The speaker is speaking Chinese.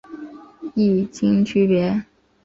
异腈区别。